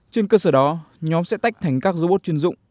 trên cơ sở đó nhóm sẽ tách thành các robot chuyên dụng